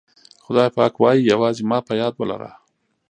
خدای پاک وایي یوازې ما په یاد ولره.